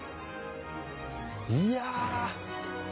いや。